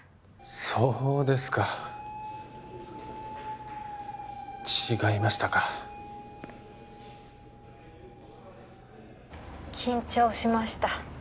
そうですか違いましたか緊張しました